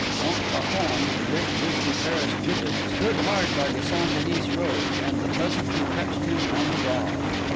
Montfaucon, the great grisly Paris gibbet, stood hard by the St. Denis Road, and the pleasantry touched him on the raw.